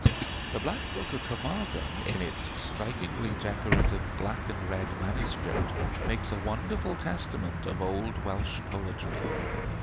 The 'Black Book of Carmarthen,' in its strikingly decorative black and red manuscript, makes a wonderful testament of old Welsh poetry.